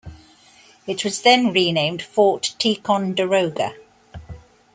It was then renamed Fort Ticonderoga.